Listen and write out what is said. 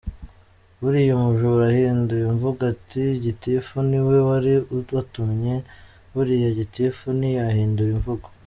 Buriya umujura ahinduye imvugo ati gitifu niwe wari wantumye buriya gitifu ntiyahindura imvugo.